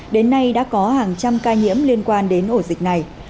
đến nay đã có hàng trăm ca nhiễm liên quan đến ổ dịch này